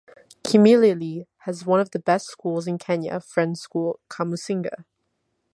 Kimilili has one of the best schools in Kenya, Friends School Kamusinga.